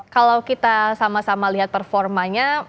kalau kita sama sama lihat performanya